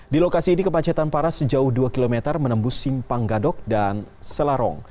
di lokasi ini kemacetan parah sejauh dua km menembus simpang gadok dan selarong